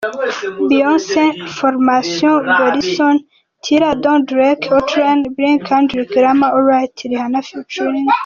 Beyoncé – Formation Bryson Tiller – Don’t Drake – Hotline Bling Kendrick Lamar – Alright Rihanna ft.